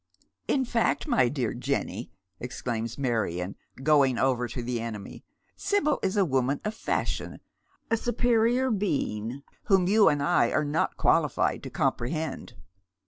" In fact, my dear Jenny," exclaims IVIarion, going over to the enemy, " Sibyl is a woman of fashion, a superior being whom you and I are not qualified to comprehend."